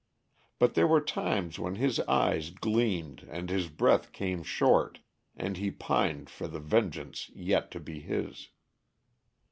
But there were times when his eyes gleamed and his breath came short and he pined for the vengeance yet to be his.